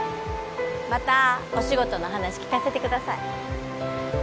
またお仕事の話聞かせてください